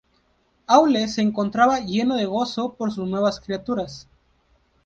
Aulë se encontraba lleno de gozo por sus nuevas criaturas.